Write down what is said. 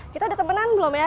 kita udah temenan belum ya